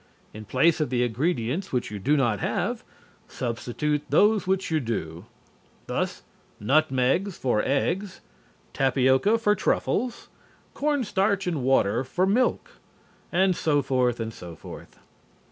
In place of the ingredients which you do not have, substitute those which you do, thus: nutmegs for eggs, tapioca for truffles, corn starch and water for milk, and so forth and so forth.